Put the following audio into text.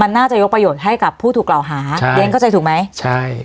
น่าจะยกประโยชน์ให้กับผู้ถูกกล่าวหาครับเรียนเข้าใจถูกไหมใช่